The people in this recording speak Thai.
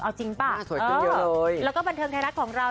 เอาจริงป่ะแล้วก็บันเทิงไทยรัฐของเรา